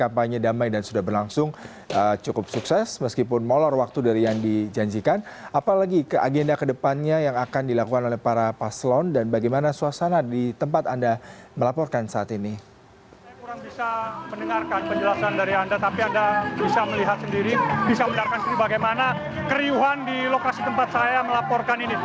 orang bisa mendengarkan penjelasan dari anda tapi anda bisa melihat sendiri bisa mendengarkan sendiri bagaimana keriuhan di lokasi tempat saya melaporkan ini